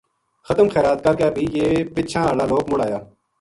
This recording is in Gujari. ختم خیرات کرکے بھی یہ پچھاں ہالا لوک مڑآیا